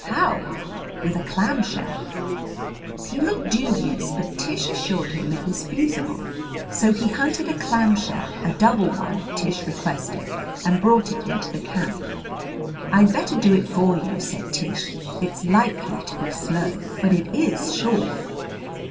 "How?" "With a clamshell." He looked dubious, but Tish assured him it was feasible. So he hunted a clamshell, a double one, Tish requested, and brought it into camp. "I'd better do it for you," said Tish. "It's likely to be slow, but it is sure."